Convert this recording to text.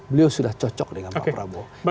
beliau sudah cocok dengan pak prabowo